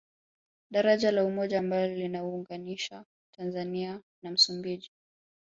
Daraja la Umoja ambalo lina unganisha Tanzania na Msumbiji